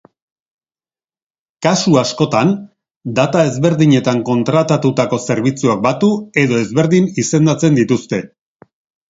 Kasu askotan, data ezberdinetan kontratatutako zerbitzuak batu edo ezberdin izendatzen dituzte.